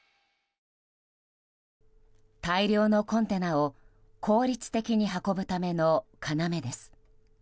大量のコンテナを効率的に運ぶための要です。